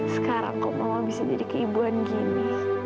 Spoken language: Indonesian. sekarang kok mama bisa jadi keibuan gini